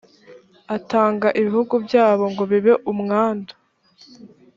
atanga ibihugu byabo ngo bibe umwandu